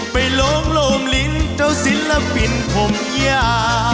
ลงโลมลิ้นเจ้าศิลปินผมยา